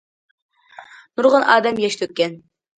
نۇرغۇن ئادەم ياش تۆككەن.